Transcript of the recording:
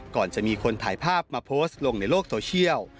ก่อนจะมีคนถ่ายภาพมาโพสต์ลงในโลกโซเชียล